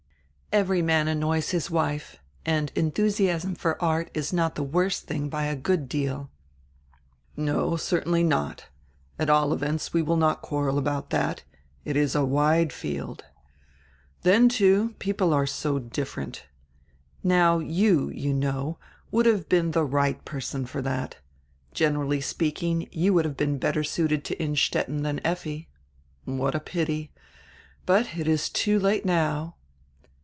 "Every man annoys his wife, and enthusiasm for art is not die worst diing by a good deal." "No, certainly not. At all events we will not quarrel about diat; it is a wide field Then, too, people are so different Now you, you know, would have been die right person for diat. Generally speaking, you would have been better suited to Innstetten dian Effi. What a pity! But it is too late now."